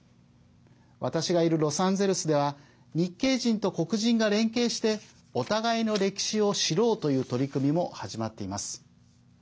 私がいるロサンゼルスでは日系人と黒人が連携してお互いの歴史を知ろうという取り組みも始まっています。